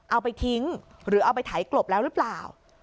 เอาไปทิ้งหรือเอาไปไถกลบแล้วหรือเปล่า